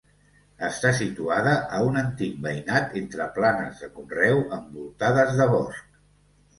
Està situada a un antic veïnat entre planes de conreu, envoltades de bosc.